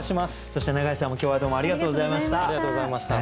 そして永井さんも今日はどうもありがとうございました。